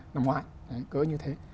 năm ngoái cỡ như thế